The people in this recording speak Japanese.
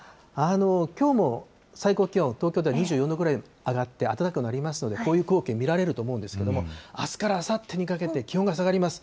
きょうも最高気温、東京では２４度くらい暖かくなりますので、こういう光景見られると思うんですけれども、あすからあさってにかけて、気温が下がります。